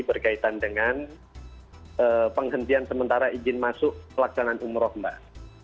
berkaitan dengan penghentian sementara izin masuk pelaksanaan umroh mbak